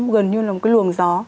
gần như là một cái luồng gió